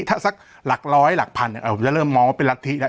ถ้าสักหลักร้อยหลักพันผมจะเริ่มมองว่าเป็นรัฐธิแล้ว